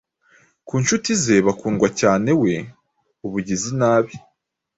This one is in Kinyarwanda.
Ku nshuti ze bakundwa cyane we ubugizi nabi